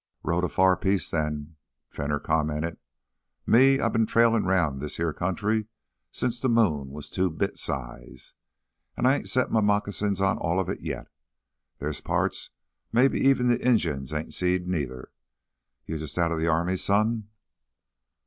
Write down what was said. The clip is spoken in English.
"Rode a far piece then," Fenner commented. "Me, I've been trailin' round this here country since th' moon was two bit size. An' I ain't set my moccasins on all o' it yet. Thar's parts maybe even an Injun ain't seed neither. You jus' outta th' army, son?"